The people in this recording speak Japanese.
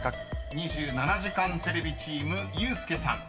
［２７時間テレビチームユースケさん］